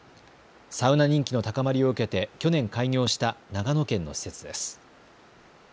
サウナ人気の高まりを受けて去年開業した長野県の施設です。